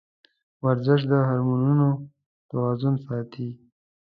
ورزش د هورمونونو توازن ساتي.